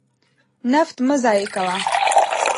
نفت مه ضایع کوه.